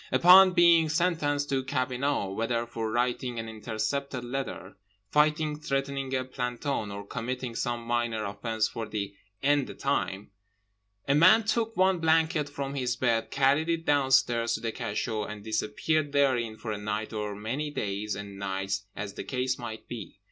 Upon being sentenced to cabinot, whether for writing an intercepted letter, fighting, threatening a planton, or committing some minor offense for the _n_th time, a man took one blanket from his bed, carried it downstairs to the cachot, and disappeared therein for a night or many days and nights as the case might be.